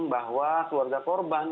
bahwa keluarga korban